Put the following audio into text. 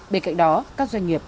bên cạnh đó các doanh nghiệp